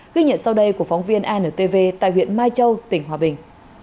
ghi nhận sau đây của phóng viên antv tại huyện mai châu tỉnh hòa bình